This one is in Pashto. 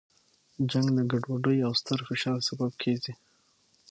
جنګ د ګډوډۍ او ستر فشار سبب کیږي.